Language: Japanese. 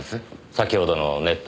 先ほどのネット